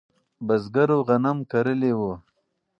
بزګرو غنم کرلی و.